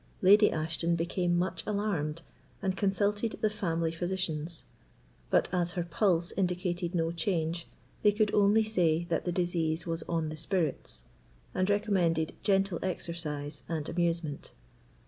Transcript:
Lady Ashton became much alarmed and consulted the family physicians. But as her pulse indicated no change, they could only say that the disease was on the spirits, and recommended gentle exercise and amusement.